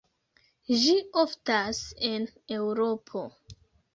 Ĝi oftas en Eŭropo.